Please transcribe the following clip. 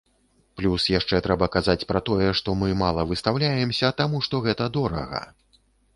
Плюс яшчэ трэба казаць пра тое, што мы мала выстаўляемся, таму што гэта дорага.